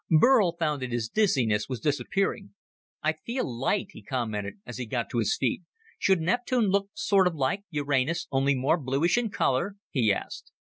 Burl found that his dizziness was disappearing. "I feel light," he commented, as he got to his feet. "Should Neptune look sort of like Uranus, only more bluish in color?" he asked.